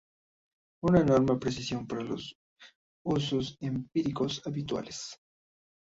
Una enorme precisión para los usos empíricos habituales.